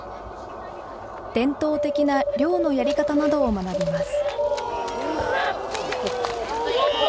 伝統的な漁のやり方などを学びます。